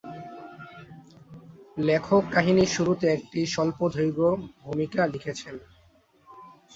লেখক কাহিনীর শুরুতে একটি স্বল্পদৈর্ঘ্য ভূমিকা লিখেছেন।